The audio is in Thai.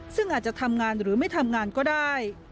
ซึ่งอาจจะทำงานหรือไม่ทำงานก็ได้